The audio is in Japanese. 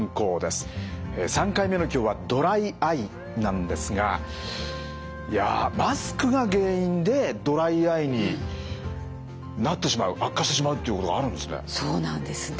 ３回目の今日はドライアイなんですがいやマスクが原因でドライアイになってしまう悪化してしまうっていうことがあるんですね。